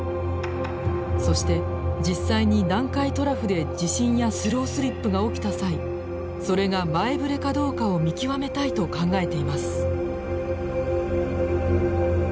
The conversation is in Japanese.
そして実際に南海トラフで地震やスロースリップが起きた際それが前ぶれかどうかを見極めたいと考えています。